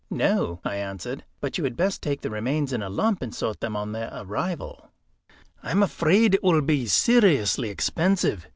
"No," I answered; "but you had best take the remains in a lump and sort them on their arrival." "I am afraid it will be seriously expensive.